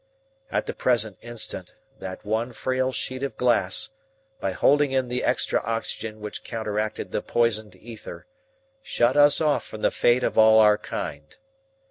At the present instant that one frail sheet of glass, by holding in the extra oxygen which counteracted the poisoned ether, shut us off from the fate of all our kind.